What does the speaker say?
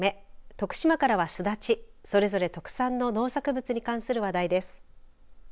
徳島からはスダチそれぞれ特産の農作物に関する話題です。